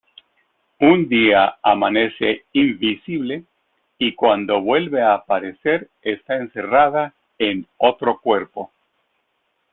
Un día amanece invisible y cuando vuelve a aparecer está encerrada en otro cuerpo.